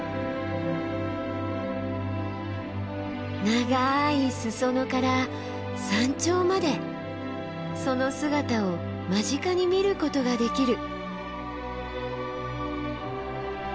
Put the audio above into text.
長い裾野から山頂までその姿を間近に見ることができる。